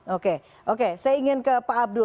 oke oke saya ingin ke pak abdul